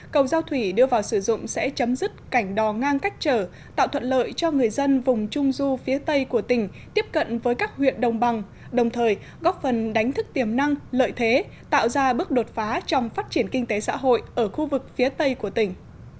cầu giao thủy đưa vào sử dụng sẽ chấm dứt cảnh đò ngang cách trở tạo thuận lợi cho người dân vùng trung du phía tây của tỉnh tiếp cận với các huyện đồng bằng đồng thời góp phần đánh thức tiềm năng lợi thế tạo ra bước đột phá trong phát triển kinh tế xã hội ở khu vực phía tây của tỉnh